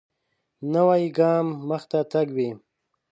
نوی ګام مخته تګ وي